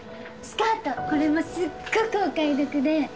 スカートこれもすっごくお買い得で。